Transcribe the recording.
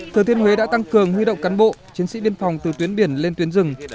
thừa thiên huế đã tăng cường huy động cán bộ chiến sĩ biên phòng từ tuyến biển lên tuyến rừng